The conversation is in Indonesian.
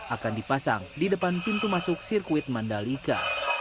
akan dipasang di depan pintu masuk sirkuit mandalika